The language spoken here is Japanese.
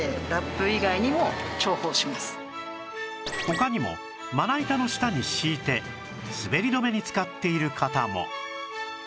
他にもまな板の下に敷いて滑り止めに使っている方も